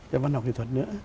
cho văn hóa nghệ thuật nữa